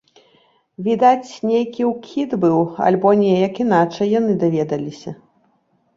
Відаць, нейкі ўкід быў, альбо неяк іначай яны даведаліся.